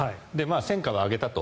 戦果は上げたと。